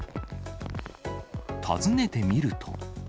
訪ねてみると。